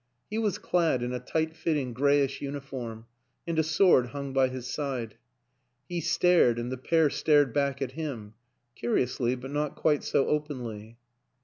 He was clad in a tight fitting grayish uniform, and a sword hung by his side. He stared and the pair stared back at him curiously but not quite so openly.